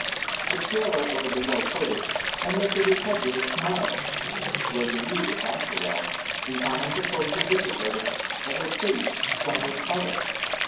The tailor over the way heard it, and lifted his head with a smile; Rosalie Evanturel, behind the postal wicket, heard it, and her face swam with colour.